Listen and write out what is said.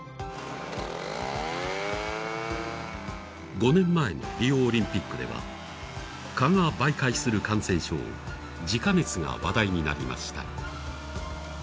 ５年前のリオオリンピックでは蚊が媒介する感染症ジカ熱が話題になりました。